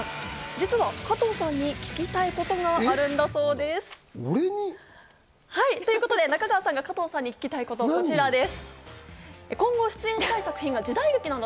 実は加藤さんに聞きたいことがあるんだそうです。ということで中川さんが加藤さんに聞きたいこと、こちらです。